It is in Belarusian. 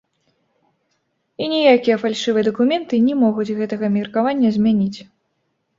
І ніякія фальшывыя дакументы не могуць гэтага меркавання змяніць.